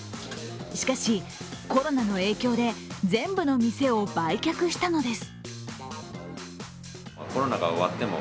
しかし、コロナの影響で全部の店を売却したのです。